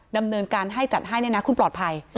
ดำเนินการให้จัดให้เนี่ยนะคุณปลอดภัย